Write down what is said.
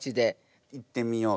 行ってみようと。